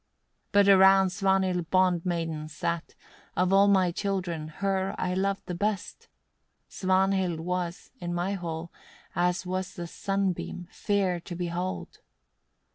15. "But around Svanhild bond maidens sat; of all my children her I loved the best. Svanhild was, in my hall, as was the sun beam, fair to behold.